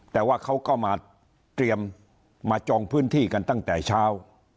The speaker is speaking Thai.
แต่ว่าเขาก็มาเตรียมมาจองพื้นที่กันตั้งแต่เช้า